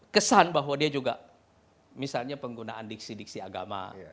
kesan bahwa dia juga misalnya penggunaan diksi diksi agama